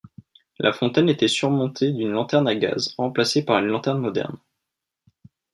La fontaine était surmontée d'une lanterne à gaz, remplacée par une lanterne moderne.